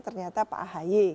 ternyata pak ahy